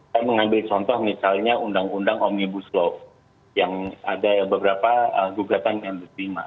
saya mengambil contoh misalnya undang undang omnibus law yang ada beberapa gugatan yang diterima